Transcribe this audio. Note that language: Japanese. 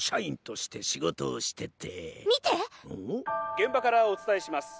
「現場からお伝えします。